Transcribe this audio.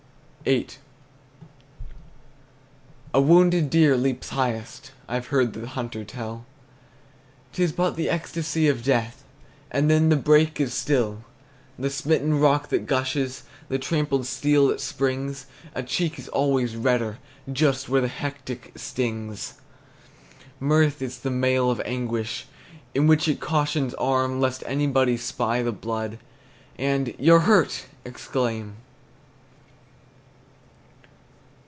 VIII. A wounded deer leaps highest, I've heard the hunter tell; 'T is but the ecstasy of death, And then the brake is still. The smitten rock that gushes, The trampled steel that springs; A cheek is always redder Just where the hectic stings! Mirth is the mail of anguish, In which it cautions arm, Lest anybody spy the blood And "You're hurt" exclaim!